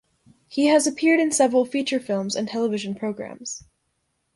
He has appeared in several feature films and television programs.